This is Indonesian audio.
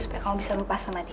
supaya kamu bisa lupa sama dia